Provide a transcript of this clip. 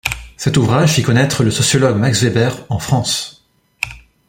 Cet ouvrage fit connaitre le sociologue Max Weber, en France.